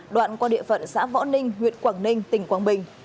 đoạn qua địa phận xã võ ninh huyện quảng ninh tỉnh quảng bình